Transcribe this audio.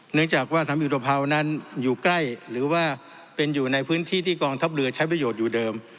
เนื่องจากว่าสามอุตภาวนั้นอยู่ใกล้หรือว่าเป็นอยู่ในพื้นที่ที่กองทัพเรือใช้ประโยชน์อยู่เดิม